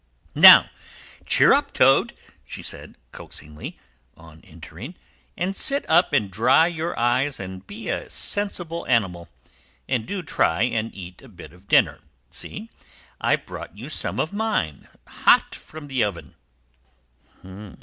"Now, cheer up, Toad," she said, coaxingly, on entering, "and sit up and dry your eyes and be a sensible animal. And do try and eat a bit of dinner. See, I've brought you some of mine, hot from the oven!"